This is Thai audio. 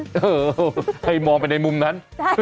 เออให้มองไปในมุมนั้น